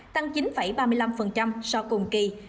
tăng chín ba mươi năm so cùng kỳ